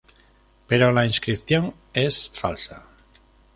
Pero la inscripción es falsa.